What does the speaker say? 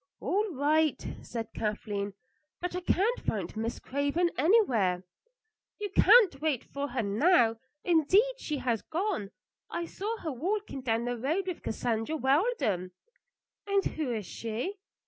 "All right," said Kathleen; "but I can't find Miss Craven anywhere. "You can't wait for her now. Indeed, she has gone. I saw her walking down the road with Cassandra Weldon." "And who is she?"